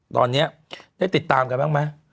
ตอนนี้ได้ติดตามกันบ้างไหม